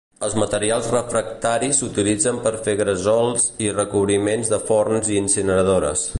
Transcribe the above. Els materials refractaris s'utilitzen per fer gresols i recobriments de forns i incineradores.